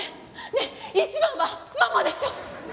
ねえ一番はママでしょ？